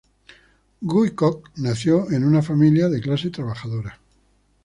Guy Coq nació en una familia de clase trabajadora.